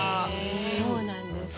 そうなんです。